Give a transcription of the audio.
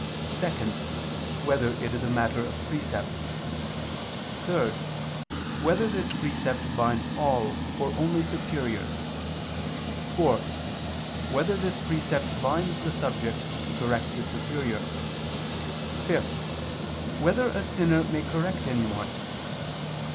(2) Whether it is a matter of precept? (3) Whether this precept binds all, or only superiors? (4) Whether this precept binds the subject to correct his superior? (5) Whether a sinner may correct anyone?